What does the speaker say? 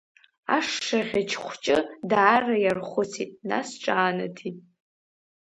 Ашшаӷьыч хәҷы даара иархәыцит, нас ҿаанаҭит…